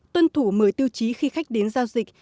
tuân thủ mời tiêu chí khi khách đến giao dịch